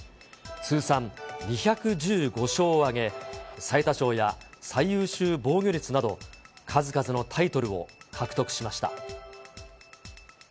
通算２１５勝を挙げ、最多勝や最優秀防御率など、数々のタイトルを獲得しました。